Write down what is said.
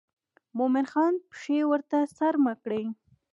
مومن خان پښې ورته څرمه کړې.